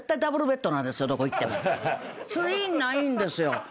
ツインないんですよ。